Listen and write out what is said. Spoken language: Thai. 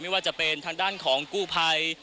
ไม่ว่าจะเป็นทางด้านของกู้ภัย